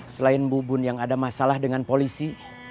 selain bubun yang ada masalah dengan polisi